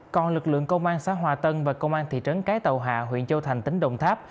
còn lực lượng công an xã hòa tân và công an thị trấn cái tàu hạ huyện châu thành tỉnh đồng tháp